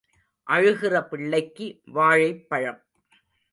அழுகிற பிள்ளைக்கு வாழைப்பழம்.